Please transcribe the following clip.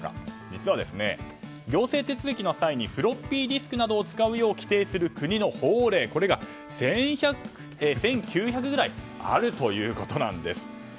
実は、行政手続きの際にフロッピーディスクを使うよう規定する国の法令これが１９００くらいあるということなんです。